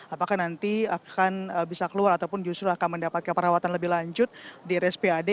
apakah nanti akan bisa keluar ataupun justru akan mendapatkan perawatan lebih lanjut di rspad